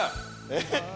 えっ？